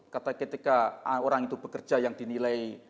ketika orang itu bekerja yang dinilai